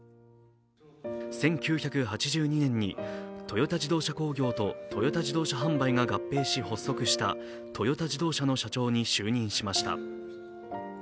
１９８２年にトヨタ自動車工業とトヨタ自動車販売が合併し発足したトヨタ自動車の社長に就任しました。